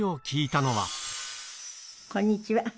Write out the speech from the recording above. こんにちは。